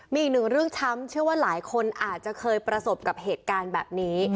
มีอีกหนึ่งเรื่องช้ำเชื่อว่าหลายคนอาจจะเคยประสบกับเหตุการณ์แบบนี้